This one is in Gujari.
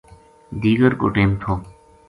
دیگر کو ٹیم تھو